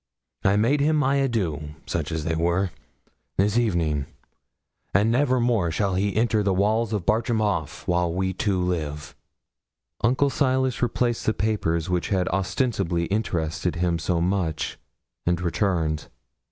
I made him my adieux, such as they were, this evening; and never more shall he enter the walls of Bartram Haugh while we two live.' Uncle Silas replaced the papers which had ostensibly interested him so much, and returned.